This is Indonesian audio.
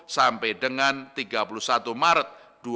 sampai dengan tiga puluh satu maret dua ribu dua puluh